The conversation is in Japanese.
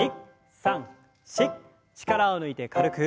力を抜いて軽く。